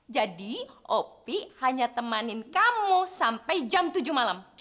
jadi opi hanya temanin kamu sampai jam tujuh malam